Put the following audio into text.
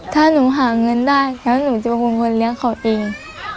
ถ้าหนูหาเงินได้แล้วหนูจะเป็นคนเลี้ยงเขาเอง